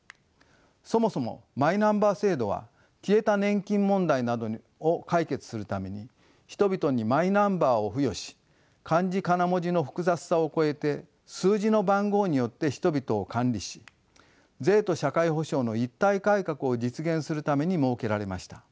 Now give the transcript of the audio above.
そもそもマイナンバー制度は消えた年金問題などを解決するために人々にマイナンバーを付与し漢字カナ文字の複雑さを超えて数字の番号によって人々を管理し「税と社会保障の一体改革」を実現するために設けられました。